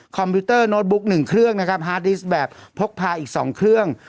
คอมพิวเตอร์โน้ตบุ๊กหนึ่งเครื่องนะครับแบบพกพาอีกสองเครื่อง